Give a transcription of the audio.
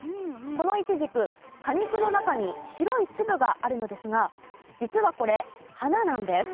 このいちじく果肉の中に白い粒があるのですが実はこれ花なんです。